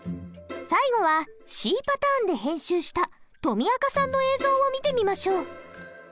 最後はＣパターンで編集したとみあかさんの映像を見てみましょう。